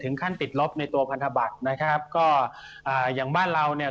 ขั้นติดลบในตัวพันธบัตรนะครับก็อ่าอย่างบ้านเราเนี่ย